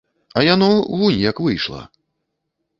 А яно вунь як выйшла!